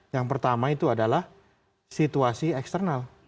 yang pertama itu adalah situasi eksternal